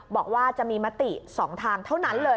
บอกว่าจะมีมติ๒ทางเท่านั้นเลย